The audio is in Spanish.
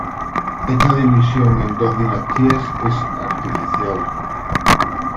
Esta división en dos "dinastías" es artificial.